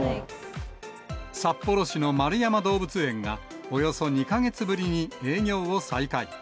札幌市の円山動物園が、およそ２か月ぶりに営業を再開。